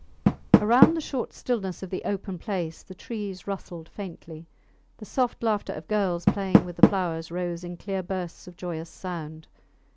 Around the short stillness of the open place the trees rustled faintly, the soft laughter of girls playing with the flowers rose in clear bursts of joyous sound.